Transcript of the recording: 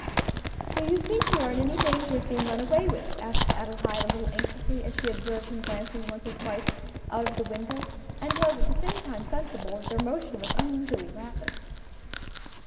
"Do you think we are in any danger of being run away with?" asked Adelaide, a little anxiously as she observed him glancing once or twice out of the window, and was at the same time sensible that their motion was unusually rapid.